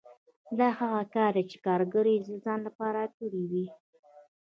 دا هغه کار دی چې کارګر د ځان لپاره کړی وي